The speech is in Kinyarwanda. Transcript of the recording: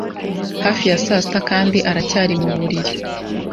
Hafi ya saa sita kandi aracyari mu buriri.